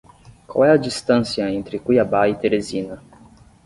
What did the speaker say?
Qual é a distância entre Cuiabá e Teresina?